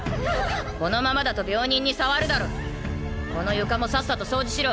このままだと病人に障るだろこの床もさっさと掃除しろ！